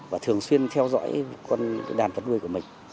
và thường xuyên theo dõi đàn vật nuôi của mình